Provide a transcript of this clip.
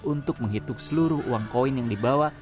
untuk menghitung seluruh uang koin yang dibawa